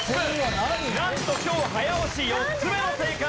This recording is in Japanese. なんと今日早押し４つ目の正解。